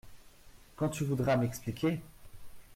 Quand tu voudras m’expliquer !…